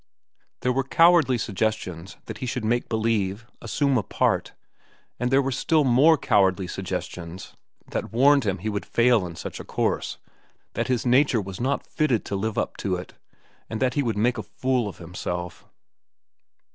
There were cowardly suggestions that he should make believe, assume a part; and there were still more cowardly suggestions that warned him he would fail in such course, that his nature was not fitted to live up to it, and that he would make a fool of himself.